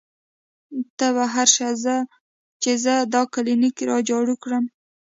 تۀ بهر شه چې زۀ دا کلینک را جارو کړم " ـ